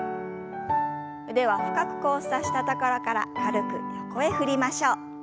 腕は深く交差したところから軽く横へ振りましょう。